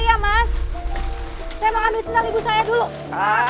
saya mau ambil senangga libu saya dulu